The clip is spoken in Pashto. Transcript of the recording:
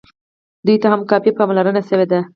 دوی ته هم کافي پاملرنه شوې ده.